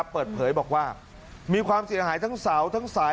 เปิดเผยบอกว่ามีความเสียหายทั้งเสาทั้งสาย